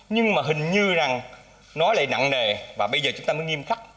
nhưng mà hình như rằng nó lại nặng nề và bây giờ chúng ta mới nghiêm khắc